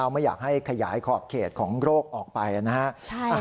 ไม่อยากให้ขยายขอบเขตของโรคออกไปนะฮะ